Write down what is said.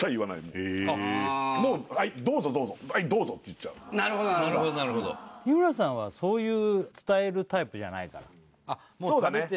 もうはいはいどうぞって言っちゃうなるほどなるほど日村さんはそういう伝えるタイプじゃないからそうだねあっ